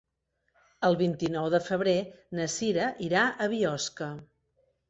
El vint-i-nou de febrer na Cira irà a Biosca.